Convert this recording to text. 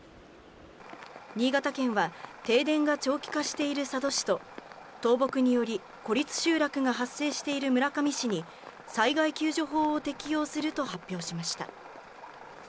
新潟県は、停電が長期化している佐渡市と、倒木により、孤立集落が発生している村上市に、災害救助法を適用すると発表しました。